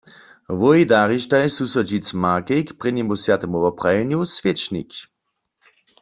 Wój darištaj susodźic Markej k prěnjemu swjatemu woprawjenju swěčnik.